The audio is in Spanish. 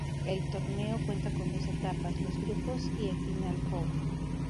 El torneo cuenta con dos etapas, los grupos y el final four.